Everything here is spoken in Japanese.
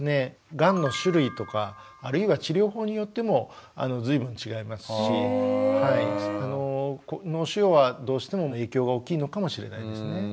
がんの種類とかあるいは治療法によっても随分違いますし脳腫瘍はどうしても影響が大きいのかもしれないですね。